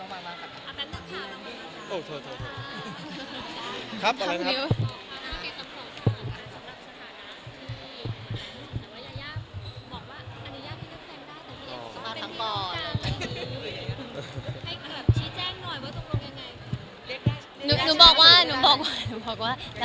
มาหลายปีมากจริงก็ขอบคุณจับไกลเลย